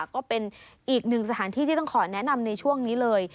ก็เป็นอีกหนึ่งสถานที่ที่ต้องขอแนะนำในช่วงนี้เลย